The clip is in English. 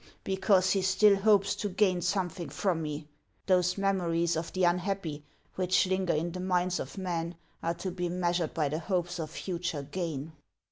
" Because he still hopes to gain something from me : those memories of the unhappy which linger in the minds of men are to be measured by the hopes of future gain."